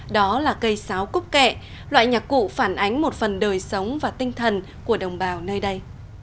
đó là cây sáo cúc kệ loại nhạc cụ phản ánh một phần đời sống và tinh thần của đồng bào nơi đây